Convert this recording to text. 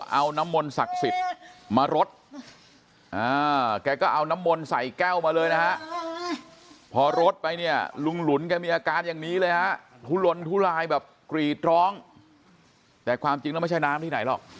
เอาน้ำมนต์ศักดิ์สิทธิ์มารดแกก็เอาน้ำมนต์ใส่แก้วมาเลยนะฮะพอรดไปเนี่ยลุงหลุนแกมีอาการอย่างนี้เลยฮะทุลนทุลายแบบกรีดร้องแต่ความจริงแล้วไม่ใช่น้ำที่ไหนหรอก